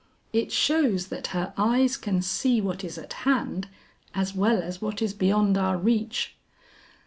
"It shows that her eyes can see what is at hand as well as what is beyond our reach."